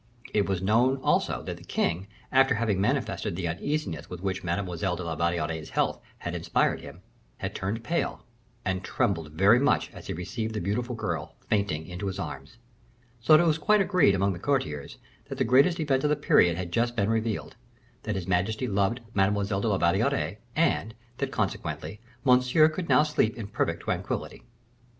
It was known, also, that the king, after having manifested the uneasiness with which Mademoiselle de la Valliere's health had inspired him, had turned pale, and trembled very much as he received the beautiful girl fainting into his arms; so that it was quite agreed among the courtiers, that the greatest event of the period had just been revealed; that his majesty loved Mademoiselle de la Valliere, and that, consequently, Monsieur could now sleep in perfect tranquillity.